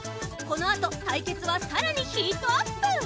このあとたいけつはさらにヒートアップ！